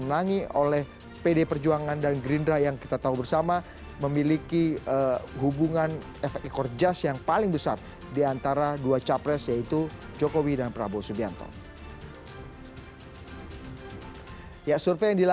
di ruang publik media sosial